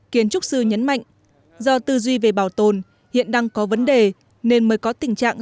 kiến trúc sư nhấn mạnh do tư duy về bảo tồn hiện đang có vấn đề nên mới có tình trạng